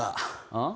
あっ？